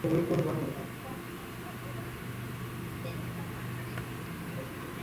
আর যাই ঘটুক না কেন, তুমি হাত ছেড়ে দিবে না, কেমন?